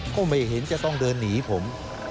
ก็ไม่เห็นจะต้องเดินหนีผม